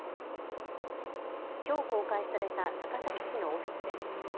きょう公開された高崎市のオフィスです。